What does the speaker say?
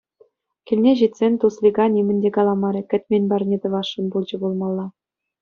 Килне ҫитсен Туслика нимӗн те каламарӗ — кӗтмен парне тӑвасшӑн пулчӗ пулмалла.